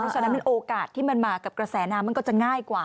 ฉะนั้นโอกาสที่มันมากับกระแสน้ำมันก็จะง่ายกว่า